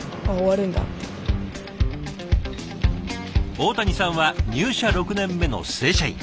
大谷さんは入社６年目の正社員。